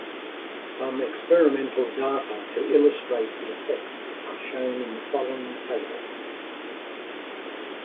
Some experimental data to illustrate the effect are shown in the following table.